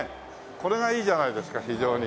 これがいいじゃないですか非常に。